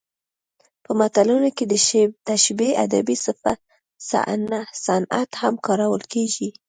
په متلونو کې د تشبیه ادبي صنعت هم کارول کیږي